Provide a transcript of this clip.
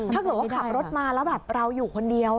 ถ้าเกิดว่าขับรถมาแล้วแบบเราอยู่คนเดียว